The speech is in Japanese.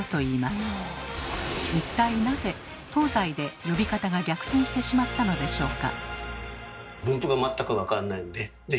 一体なぜ東西で呼び方が逆転してしまったのでしょうか？